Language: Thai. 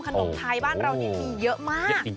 ขนมไทยบ้านเรานี่มีเยอะมาก